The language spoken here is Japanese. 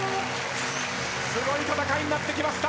すごい戦いになってきた！